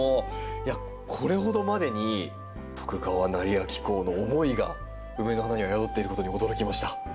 いやこれほどまでに徳川斉昭公の思いがウメの花には宿っていることに驚きました。